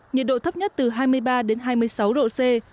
nhiệt độ thấp nhất từ hai mươi ba đến hai mươi sáu độ c